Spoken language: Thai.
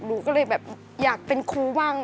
หนูก็เลยแบบอยากเป็นครูบ้าง